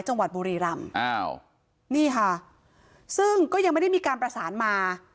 จังหวัดบุรีรำอ้าวนี่ค่ะซึ่งก็ยังไม่ได้มีการประสานมา